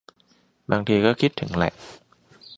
บางทีก็คิดถึงแหละ